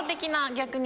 逆に？